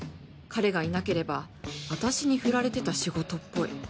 彼がいなければ私に振られてた仕事っぽい。